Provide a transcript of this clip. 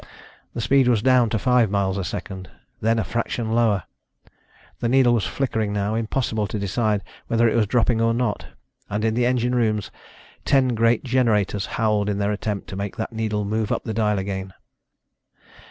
The speed was down to five miles a second, then a fraction lower. The needle was flickering now, impossible to decide whether it was dropping or not. And in the engine rooms, ten great generators howled in their attempt to make that needle move up the dial again.